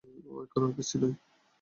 ও এখন আর পিচ্চি নয়!